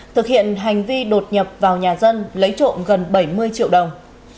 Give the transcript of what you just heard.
thực hiện hành vi đột nhập vào nhà dân lấy trộm gần bảy mươi triệu đồng